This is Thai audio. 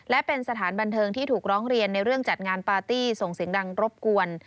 และเป็นสถานบันเทิงที่ถูกร้องเรียนในเรื่องจัดงานปาร์ตี้ส่งเสียงดังรบกวน